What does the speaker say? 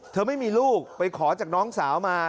ไม่มีลูกไปขอจากน้องสาวมา